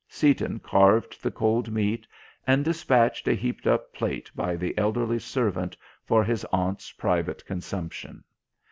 Seaton carved the cold meat, and dispatched a heaped up plate by the elderly servant for his aunt's private consumption.